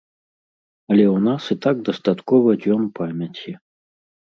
Але ў нас і так дастаткова дзён памяці.